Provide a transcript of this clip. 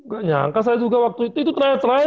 gak nyangka saya juga waktu itu terakhir terakhir